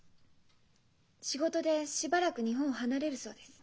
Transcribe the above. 仕事でしばらく日本を離れるそうです。